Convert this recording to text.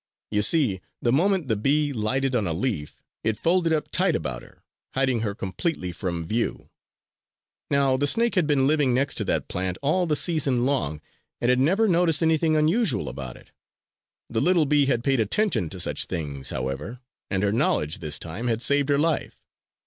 You see, the moment the bee lighted on a leaf, it folded up tight about her, hiding her completely from view. Now, the snake had been living next to that plant all the season long, and had never noticed anything unusual about it. The little bee had paid attention to such things, however; and her knowledge this time had saved her life.